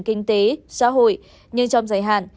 kinh tế xã hội nhưng trong dài hạn